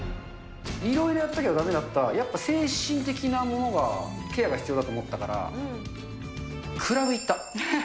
いろいろやったけどだめだった、やっぱ精神的なものが、ケアが必要だと思ったから、おー。